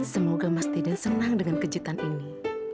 semoga mas deden senang dengan kejutan ini